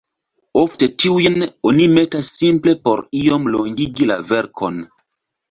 Ofte tiujn oni metas simple por iom longigi la verkon.